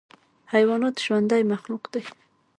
حیوانات ژوندی مخلوق دی.